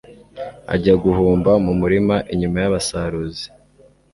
ajya guhumba mu murima inyuma y'abasaruzi